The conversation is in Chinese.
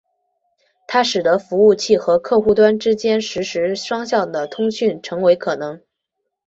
它使得服务器和客户端之间实时双向的通信成为可能。